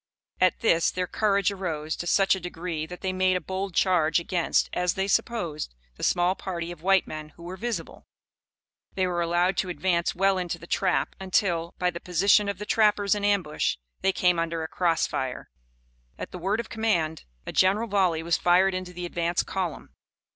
At this their courage arose, to such a degree, that they made a bold charge against, as they supposed, the small party of white men who were visible. They were allowed to advance well into the trap, until, by the position of the trappers in ambush, they came under a cross fire. At the word of command, a general volley was fired into the advance column.